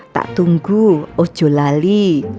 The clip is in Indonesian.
tak tunggu ojo lali